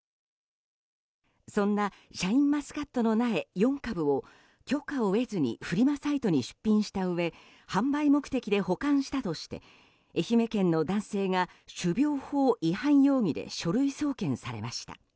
そんなシャインマスカットの苗４株を許可を得ずにフリマサイトに出品したうえ販売目的で保管したとして愛媛県の男性が種苗法違反容疑で書類送検されました。